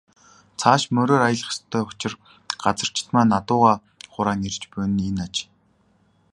Цааш мориор аялах ёстой учир газарчид маань адуугаа хураан ирж буй нь энэ аж.